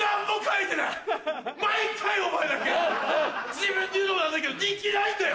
自分で言うのも何だけど人気ないんだよ！